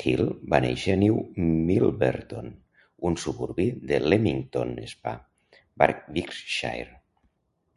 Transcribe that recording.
Hill va néixer a New Milverton, un suburbi de Leamington Spa, Warwickshire.